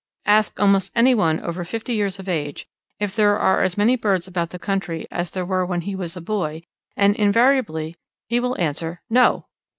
Ask almost any one over fifty years of age if there are as many birds about the country as there were when he was a boy, and invariably he will answer "No!"